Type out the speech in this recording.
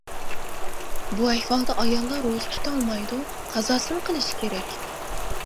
بۇ ئەھۋالدا ئاياللار روزا تۇتالمايدۇ، قازاسىنى قىلىشى كېرەك.